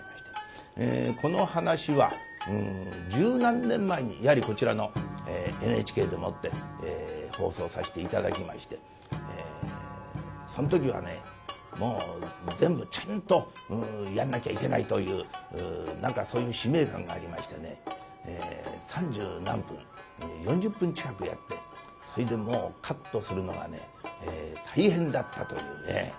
この噺は十何年前にやはりこちらのＮＨＫでもって放送させて頂きましてその時はねもう全部ちゃんとやんなきゃいけないという何かそういう使命感がありましてね三十何分４０分近くやってそれでもうカットするのが大変だったというね。